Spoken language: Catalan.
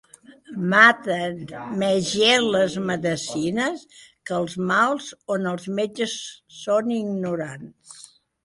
Maten més gent les medecines, que els mals, on els metges són ignorants.